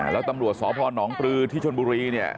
แล้วตำรวจสพนปลือที่ชนบุรีเนี่ย